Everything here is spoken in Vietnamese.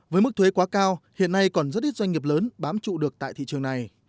với mức thuế quá cao hiện nay còn rất ít doanh nghiệp lớn bám trụ được tại thị trường này